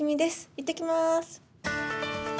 いってきます。